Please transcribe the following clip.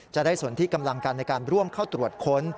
จะได้ส่วนที่กำลังกันในการร่วมเข้าตรวจค้น